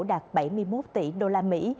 đạt bảy mươi một tỷ đô la mỹ